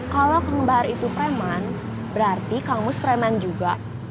kalau kang bahar itu preman berarti kang mus preman juga